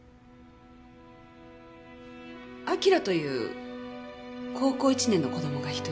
輝という高校１年の子供が１人。